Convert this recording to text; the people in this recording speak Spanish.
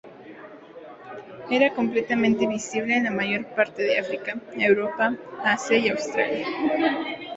Era completamente visible en la mayor parte de África, Europa, Asia y Australia.